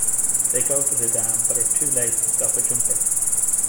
They go to the dam but are too late to stop a jumper.